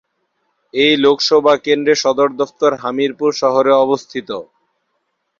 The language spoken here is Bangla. এই লোকসভা কেন্দ্রের সদর দফতর হামিরপুর শহরে অবস্থিত।